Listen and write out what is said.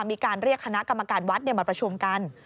มีการเรียกคณะกรรมการวัดมาประชุมกัน